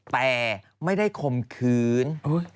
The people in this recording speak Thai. แต่ไม่ได้ข่มขืน